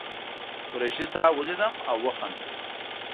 قریشي صاحب ولیدم او وخندل.